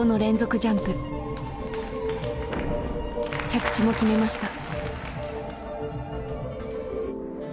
着地も決めました。